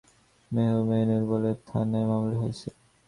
মোহাইমেনুর বলেন, থানায় মামলা হয়েছে।